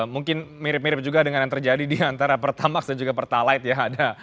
mungkin mirip mirip juga dengan yang terjadi diantara pertamax dan juga pertalight ya